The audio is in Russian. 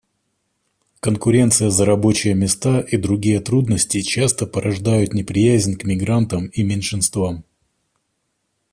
Конкуренция за рабочие места и другие трудности часто порождают неприязнь к мигрантам и меньшинствам.